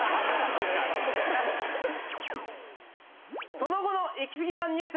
その後のイキスギさんＮＥＷＳ！